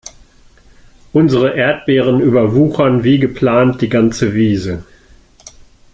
Unsere Erdbeeren überwuchern wie geplant die ganze Wiese.